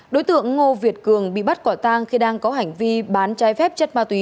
đối tượng ngô việt cường bị bắt quả tang khi đang có hành vi bán trái phép chất ma túy